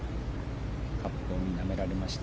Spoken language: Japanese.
カップになめられました。